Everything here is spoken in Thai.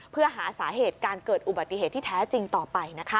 เพื่อหาสาเหตุการเกิดอุบัติเหตุที่แท้จริงต่อไปนะคะ